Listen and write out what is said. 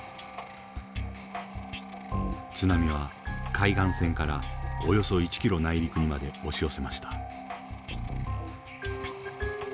津波は海岸線からおよそ１キロ内陸にまで押し寄せました。